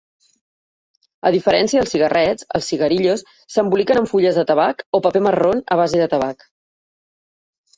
A diferència dels cigarrets, els "cigarillos" s'emboliquen en fulles de tabac o paper marró a base de tabac.